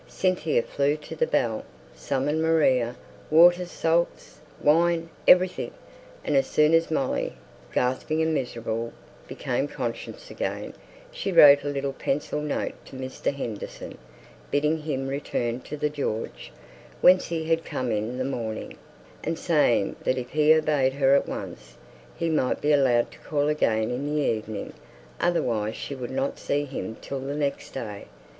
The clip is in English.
Cynthia flew to the bell, summoned Maria, water, salts, wine, anything; and as soon as Molly, gasping and miserable, became conscious again, she wrote a little pencil note to Mr. Henderson, bidding him return to the "George," whence he had come in the morning, and saying that if he obeyed her at once, he might be allowed to call again in the evening, otherwise she would not see him till the next day.